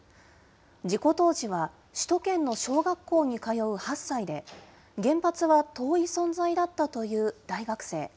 事故当時は首都圏の小学校に通う８歳で、原発は遠い存在だったという大学生。